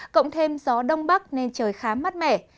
cộng thêm gió đông bắc nên trời khá mát mẻ